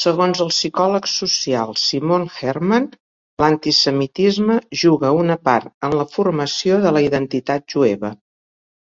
Segons el psicòleg social Simon Hermann, l'antisemitisme juga una part en la formació de la identitat jueva.